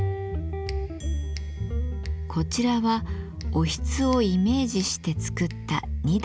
こちらはおひつをイメージして作った２段の弁当箱。